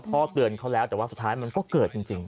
เตือนเขาแล้วแต่ว่าสุดท้ายมันก็เกิดจริง